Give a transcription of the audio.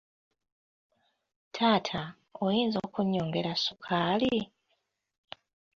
Taata, oyinza okunyongera sukaali?